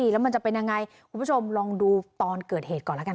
แล้วมันจะเป็นยังไงคุณผู้ชมลองดูตอนเกิดเหตุก่อนแล้วกัน